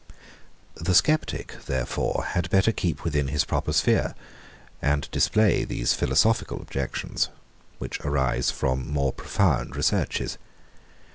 127. The sceptic, therefore, had better keep within his proper sphere, and display those philosophical objections, which arise from more profound researches.